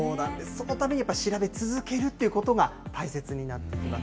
そのために調べ続けるということが、大切になってきます。